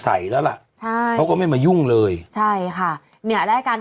ไม่รักไม่ได้โอดและผมก็เดินเมืองสดนี่กับเผาไทย๗วัน